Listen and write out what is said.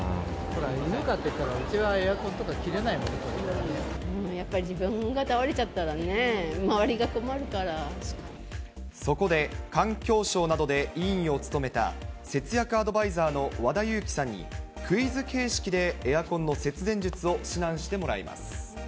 犬飼ってるから、うちはエアやっぱり自分が倒れちゃったそこで、環境省などで委員を務めた節約アドバイザーの和田由貴さんに、クイズ形式でエアコンの節電術を指南してもらいます。